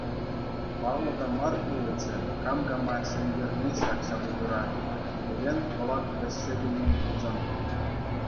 Паллӑ та мар пулӗччӗ кам кама ҫӗнтерни ҫак ҫапӑҫура тӳперен Хӑлат вӗҫсе килмен пулсан.